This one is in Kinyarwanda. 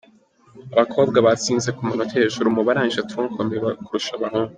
Abakobwa batsinze ku manota yo hejuru mu barangije Tronc Commun kurusha abahungu.